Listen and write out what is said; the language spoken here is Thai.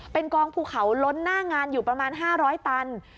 เป็นกองภูเขาล้นหน้างานอยู่ประมาณ๕๐๐ตัน